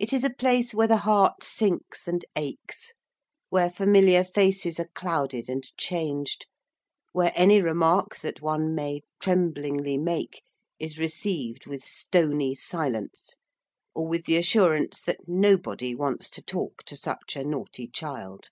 It is a place where the heart sinks and aches, where familiar faces are clouded and changed, where any remark that one may tremblingly make is received with stony silence or with the assurance that nobody wants to talk to such a naughty child.